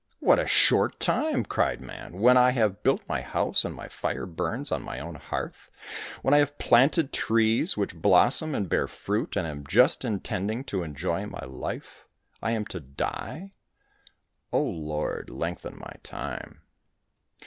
"What a short time," cried man, "when I have built my house and my fire burns on my own hearth; when I have planted trees which blossom and bear fruit, and am just intending to enjoy my life, I am to die! O Lord, lengthen my time."